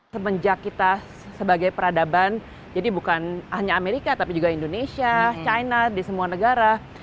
semenjak kita sebagai peradaban jadi bukan hanya amerika tapi juga indonesia china di semua negara